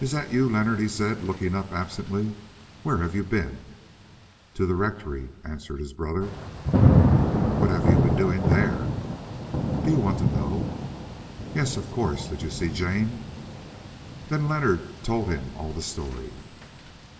"Is that you, Leonard?" he said, looking up absently; "where have you been?" "To the Rectory," answered his brother. "What have you been doing there?" "Do you want to know?" "Yes, of course. Did you see Jane?" Then Leonard told him all the story.